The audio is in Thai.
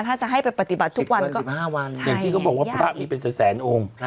ถ้าจะให้ไปปฏิบัติทุกวันก็๕วันอย่างที่เขาบอกว่าพระมีเป็นแสนองค์